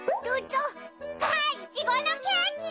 あイチゴのケーキ！